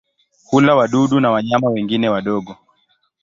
Hula wadudu na wanyama wengine wadogo.